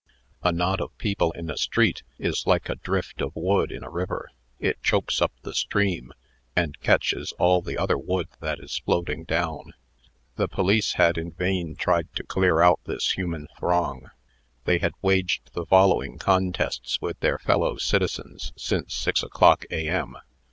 A knot of people in a street, is like a drift of wood in a river. It chokes up the stream, and catches all the other wood that is floating down. The police had in vain tried to clear out this human throng. They had waged the following contests with their fellow citizens, since six o'clock A.M.